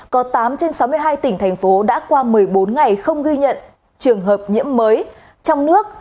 có tám trên sáu mươi hai tỉnh thành phố đã qua một mươi bốn ngày không ghi nhận trường hợp nhiễm mới trong nước